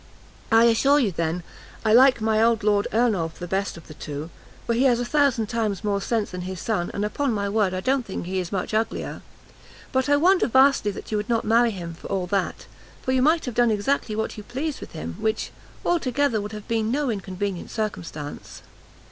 "I assure you, then, I like my old Lord Ernolf the best of the two, for he has a thousand times more sense than his son, and upon my word I don't think he is much uglier. But I wonder vastly you would not marry him, for all that, for you might have done exactly what you pleased with him, which, altogether, would have been no inconvenient circumstance."